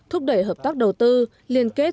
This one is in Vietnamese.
thúc đẩy hợp tác đầu tư liên kết